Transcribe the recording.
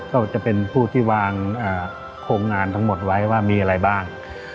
ก็จะเป็นผู้ที่วางโครงงานทั้งหมดไว้ว่ามีอะไรบ้าง